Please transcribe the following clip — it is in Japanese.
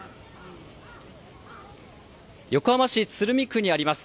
横浜市鶴見区にあります